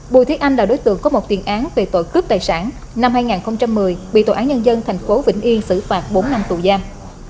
bùi thế anh là đối tượng có một tiền án về tội cướp tài sản năm hai nghìn một mươi bị tòa án nhân dân tp vĩnh yên xử phạt bốn năm tù giam